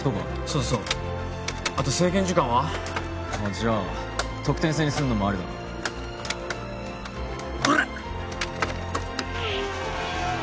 そうそうあと制限時間は？あっじゃあ得点制にするのもありだなおらっ